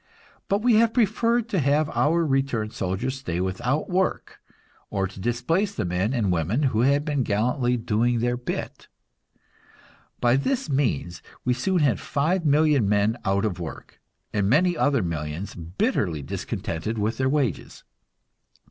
But we have preferred to have our returned soldiers stay without work, or to displace the men and women who had been gallantly "doing their bit." By this means we soon had five million men out of work, and many other millions bitterly discontented with their wages.